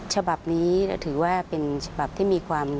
ฉบับนี้ถือว่าเป็นฉบับที่มีความ